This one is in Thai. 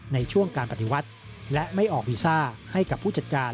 ในช่วงการปฏิวัติและไม่ออกวีซ่าให้กับผู้จัดการ